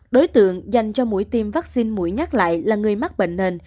đối tượng dành cho mũi tiêm vaccine mũi nhát lại là người mắc bệnh nền